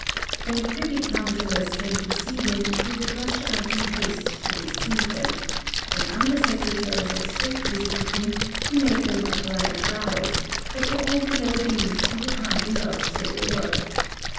When Privy Councillors came to see him, he would rush out in haste to receive them; when Under Secretaries of State visited him, he made them a polite bow; but to all below these he would hardly vouchsafe a word.